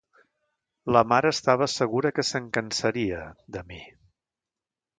La mare estava segura que se'n cansaria... de mi!